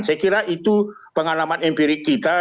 saya kira itu pengalaman empirik kita